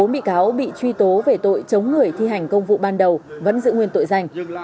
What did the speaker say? bốn bị cáo bị truy tố về tội chống người thi hành công vụ ban đầu vẫn giữ nguyên tội danh